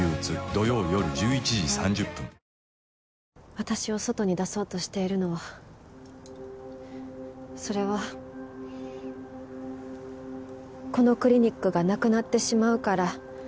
私を外に出そうとしているのはそれはこのクリニックがなくなってしまうから。